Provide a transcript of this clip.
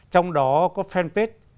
trong đó có fanpage